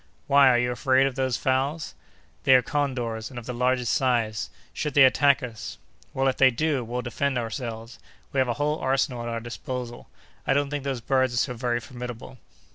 "Why, are you afraid of those fowls?" "They are condors, and of the largest size. Should they attack us—" "Well, if they do, we'll defend ourselves. We have a whole arsenal at our disposal. I don't think those birds are so very formidable."